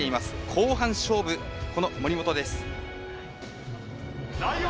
後半勝負、森本です。